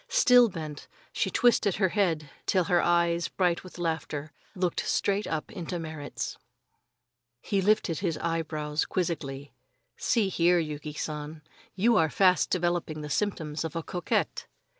Still bent, she twisted her head till her eyes, bright with laughter, looked straight into Merrit's. He lifted his eyebrows quizzically. "See here, Yuki San, you are fast developing the symptoms of a coquette."